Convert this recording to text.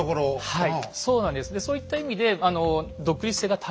はい。